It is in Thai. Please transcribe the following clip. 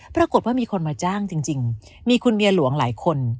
ปรากฏว่ามีคนมาจ้างจริงมีคุณเมียหลวงหลายคน